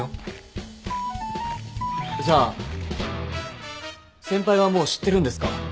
じゃあ先輩はもう知ってるんですか？